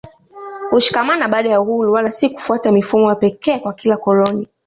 kushikamana baada ya uhuru wala si kufuata mifumo ya pekee kwa kila koloni